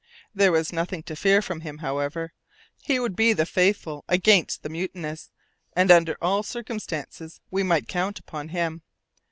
There was nothing to fear from him, however; he would be with the faithful against the mutinous, and under all circumstances we might count upon him.